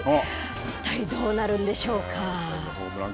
いったいどうなるんでしょうか。